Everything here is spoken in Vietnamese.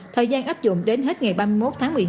thời gian áp dụng đến hết ngày ba mươi một tháng một mươi hai